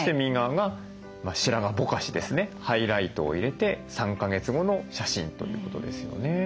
ハイライトを入れて３か月後の写真ということですよね。